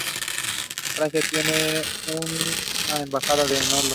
Francia tiene una embajada en Oslo.